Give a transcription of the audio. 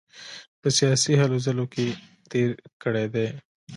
په سیاسي هلو ځلو کې تېر کړی دی.